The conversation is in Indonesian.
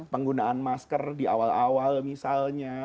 penggunaan masker di awal awal misalnya